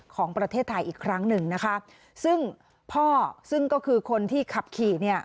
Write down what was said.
ของประเทศไทยอีกครั้งหนึ่งนะคะซึ่งพ่อซึ่งก็คือคนที่ขับขี่เนี่ย